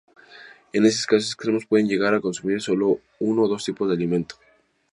En casos extremos puede llegar a consumir sólo uno o dos tipos de alimento.